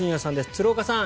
鶴岡さん